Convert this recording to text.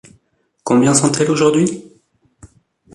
Combien sont-elles aujourd’hui ?